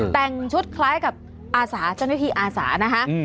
แต่งชุดคล้ายกับอาสาเจ้าหน้าที่อาสานะคะ